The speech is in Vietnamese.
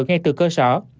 ngay từ cơ sở